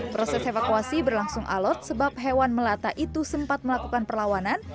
proses evakuasi berlangsung alot sebab hewan melata itu sempat melakukan perlawanan